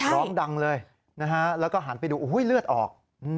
ร้องดังเลยแล้วก็หันไปดูอุ๊ยเลือดออก